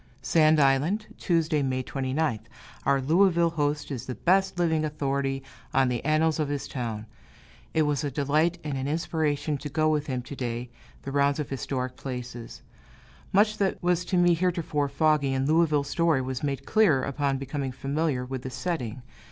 Sand Island, Tuesday, May 29th. Our Louisville host is the best living authority on the annals of his town. It was a delight and an inspiration to go with him, to day, the rounds of the historic places. Much that was to me heretofore foggy in Louisville story was made clear, upon becoming familiar with the setting.